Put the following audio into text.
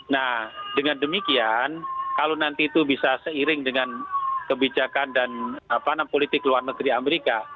nah dengan demikian kalau nanti itu bisa seiring dengan kebijakan dan politik luar negeri amerika